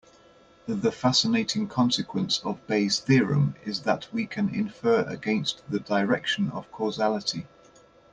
The fascinating consequence of Bayes' theorem is that we can infer against the direction of causality.